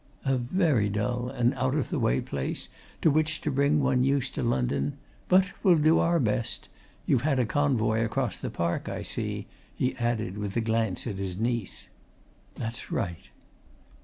"A very dull and out of the way place to which to bring one used to London; but we'll do our best you've had a convoy across the park, I see," he added with a glance at his niece. "That's right!"